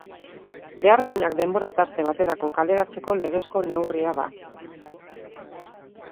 Beharginak denbora tarte baterako kaleratzeko legezko neurria da.